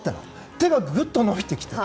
手がぐっと伸びてきた。